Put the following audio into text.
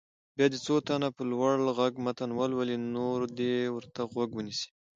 بیا دې څو تنه په لوړ غږ متن ولولي نور دې ورته غوږ ونیسي.